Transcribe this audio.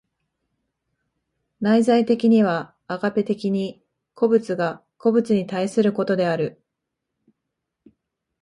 内在的にはアガペ的に個物が個物に対することである。